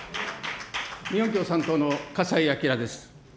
日本共産党の笠井亮です。